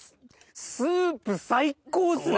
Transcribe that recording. スープ最高っすね！